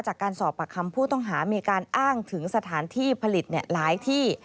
จากการสอบปากคำผู้ต้องหามีการอ้างถึงสถานที่ผลิตหลายที่